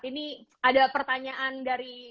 ini ada pertanyaan dari